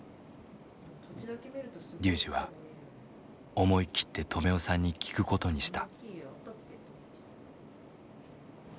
龍司は思い切って止男さんに聞くことにした。